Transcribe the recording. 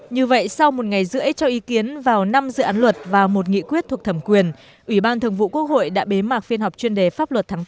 như vậy sau một ngày rưỡi cho ý kiến vào năm dự án luật và một nghị quyết thuộc thẩm quyền ủy ban thường vụ quốc hội đã bế mạc phiên họp chuyên đề pháp luật tháng bốn